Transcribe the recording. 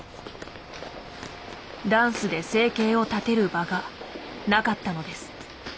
ダンスで生計を立てる場がなかったのです。